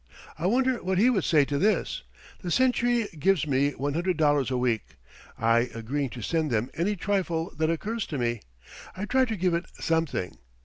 I wonder what he would say to this. The 'Century' gives me $100 a week, I agreeing to send them any trifle that occurs to me. I try to give it something.